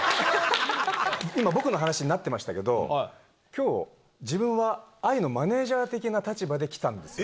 今、僕の話になってましたけど、きょう、自分は愛のマネージャー的な立場で来たんですよ。